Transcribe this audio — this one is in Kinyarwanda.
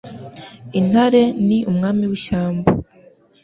Intare ni Umwami w'ishyamba